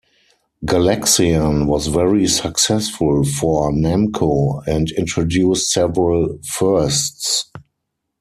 "Galaxian" was very successful for Namco and introduced several "firsts".